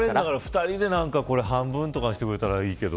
２人で半分にしてくれたらいいけど。